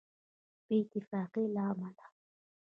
بې اتفاقۍ له امله.